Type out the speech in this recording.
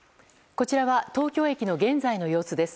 こちらは東京駅の現在の様子です。